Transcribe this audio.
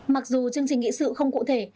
mặc dù chương trình nghị sự không cụ thể